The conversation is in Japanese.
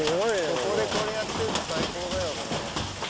ここでこれやってるの最高だよね。